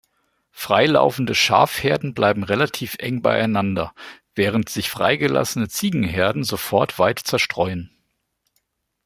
Freilaufende Schafherden bleiben relativ eng beieinander, während sich freigelassene Ziegenherden sofort weit zerstreuen.